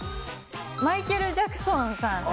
マイケル・ジャクソンさん。